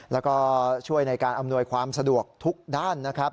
แล้วก็ช่วยในการอำนวยความสะดวกทุกด้านนะครับ